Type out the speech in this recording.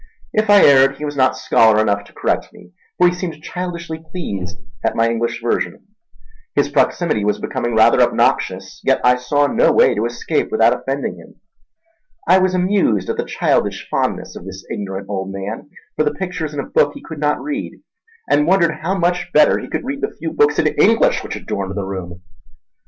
If I erred, he was not scholar enough to correct me; for he seemed childishly pleased at my English version. His proximity was becoming rather obnoxious, yet I saw no way to escape without offending him. I was amused at the childish fondness of this ignorant old man for the pictures in a book he could not read, and wondered how much better he could read the few books in English which adorned the room.